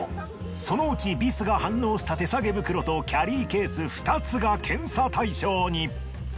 そのうちビスが反応した手さげ袋とキャリーケース２つが検査対象に。